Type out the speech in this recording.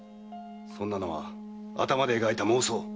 そんなのは頭で描いた妄想。